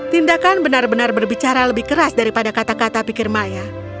tindakan benar benar berbicara lebih keras daripada kata kata pikir maya